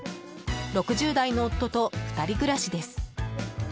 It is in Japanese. ６０代の夫と２人暮らしです。